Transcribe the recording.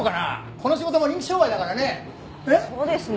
この仕事も人気商売だからね。